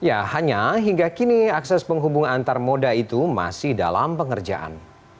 ya hanya hingga kini akses penghubung antar moda itu masih dalam pengerjaan